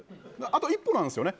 あと一歩なんですよね。